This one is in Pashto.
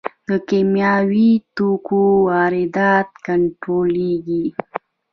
د کیمیاوي توکو واردات کنټرولیږي؟